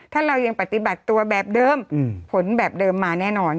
ถ้าเรายังปฏิบัติตัวแบบเดิมผลแบบเดิมมาแน่นอน